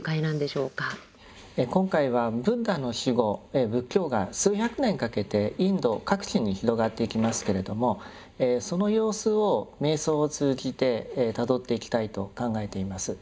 今回はブッダの死後仏教が数百年かけてインド各地に広がっていきますけれどもその様子を瞑想を通じてたどっていきたいと考えています。